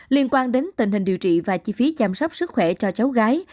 liên quan đến tình hình điều trị và chi phí chăm sóc sức khỏe cho cháu gái